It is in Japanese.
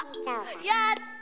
やった！